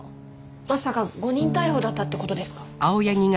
まさか誤認逮捕だったって事ですか？